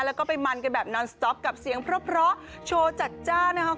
แล้วก็ไปมันกันแบบนอนสต๊อปกับเสียงเพราะโชว์จัดจ้านนะครับ